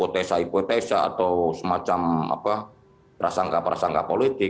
tidak perlu lagi dipertentangkan